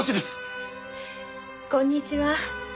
こんにちは。